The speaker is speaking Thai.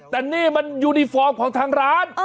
แต่นี่มันยูนิฟอร์มของทางร้าน